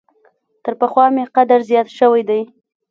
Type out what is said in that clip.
تر پخوا مي قدر زیات شوی دی .